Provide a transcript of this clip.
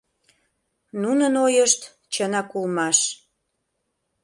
Нунын ойышт чынак улмаш.